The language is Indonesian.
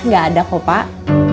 gak ada kok pak